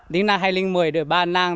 đến năm hai nghìn một mươi đời ba nang